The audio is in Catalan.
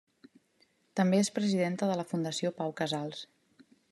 També és presidenta de la Fundació Pau Casals.